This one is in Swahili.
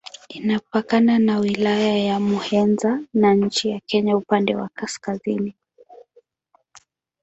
Inapakana na Wilaya ya Muheza na nchi ya Kenya upande wa kaskazini.